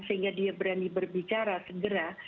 sehingga dia berani berbicara segera